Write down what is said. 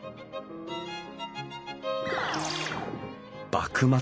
幕末